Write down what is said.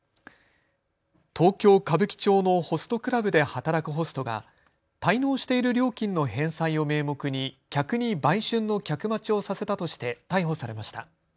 東京歌舞伎町のホストクラブで働くホストが滞納している料金の返済を名目に客に売春の客待ちをさせたとして逮捕されました。